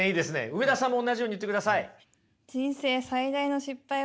梅田さんもおんなじように言ってください。